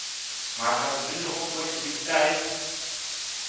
Maar gaat het nu nog om flexibiliteit?